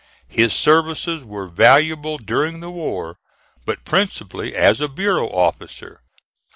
His services were valuable during the war, but principally as a bureau officer.